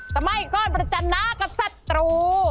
สมัยก่อนประจันหน้ากับศัตรู